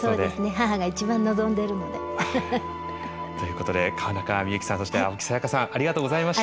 母が一番望んでるので。ということで川中美幸さんそして青木さやかさんありがとうございました。